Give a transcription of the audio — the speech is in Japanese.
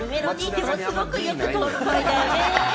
でも、すごくよく通る声だね。